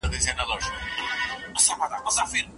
دوی به تر ډیره د تاریخي پېښو په اړه لولي.